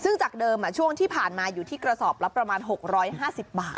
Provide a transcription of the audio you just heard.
ซึ่งจากเดิมช่วงที่ผ่านมาอยู่ที่กระสอบละประมาณ๖๕๐บาท